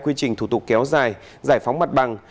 quy trình thủ tục kéo dài giải phóng mặt bằng